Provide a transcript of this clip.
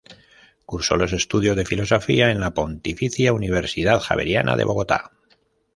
Cursó los estudios de filosofía en la Pontificia Universidad Javeriana de Bogotá.